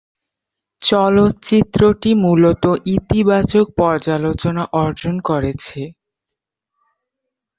চলচ্চিত্রটি মূলত ইতিবাচক পর্যালোচনা অর্জন করেছে।